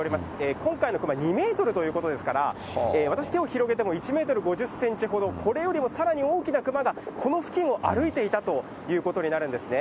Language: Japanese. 今回の熊、２メートルということですから、私、手を広げても１メートル５０センチほど、これよりもさらに大きな熊が、この付近を歩いていたということになるんですね。